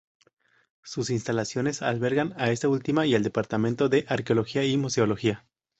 Sus instalaciones albergan a esta última y al Departamento de Arqueología y Museología.